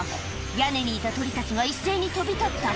屋根にいた鳥たちが一斉に飛び立った